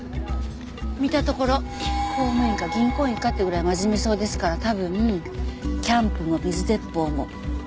見たところ公務員か銀行員かっていうぐらい真面目そうですから多分キャンプも水鉄砲も真剣そのものですよ。